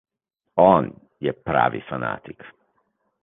On je pravi fanatik.